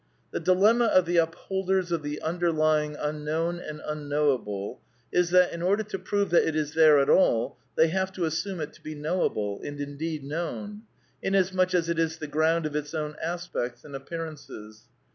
The dilemma of the upholders of the Underlying Un known and Unknowable is that, in order to prove that it is there at all, they have to assume it to be knowable, and in deed known ; inasmuch as it is the ground of its own as pects and appearances.